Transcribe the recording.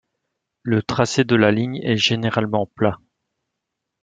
Le tracé de la ligne est généralement plat.